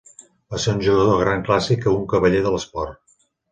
Va ser un jugador de gran classe i un cavaller de l'esport.